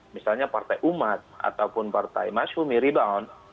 misalnya partai umat ataupun partai masyumi rebound